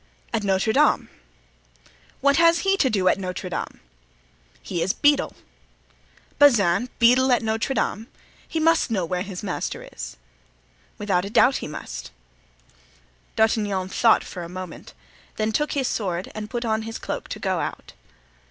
"At Notre Dame." "What has he to do at Notre Dame?" "He is beadle." "Bazin beadle at Notre Dame! He must know where his master is!" "Without a doubt he must." D'Artagnan thought for a moment, then took his sword and put on his cloak to go out.